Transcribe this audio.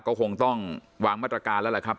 ก็คงต้องวางมาตรการแล้วแหละครับ